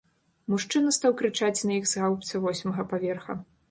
Мужчына стаў крычаць на іх з гаўбца восьмага паверха.